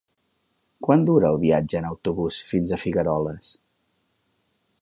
Quant dura el viatge en autobús fins a Figueroles?